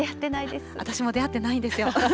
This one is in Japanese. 私も出会ってないんですよ。